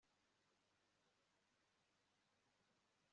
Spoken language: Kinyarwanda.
n'uwo mu bushinwa, n'uwo muri amerika y'amajyepfo